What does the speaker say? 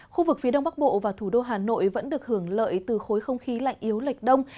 khu vực phía đông bắc bộ và thủ đô hà nội vẫn được hưởng lợi từ khối không khí lạnh yếu lệch đông